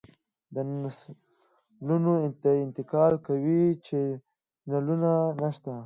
د نسلونو د انتقال قوي چینلونه نشته